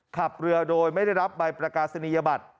ขับเรือโดยไม่ได้รับใบประกาศนียบัตร